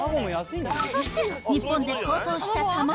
そして日本で高騰した卵。